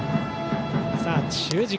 さあ、中軸。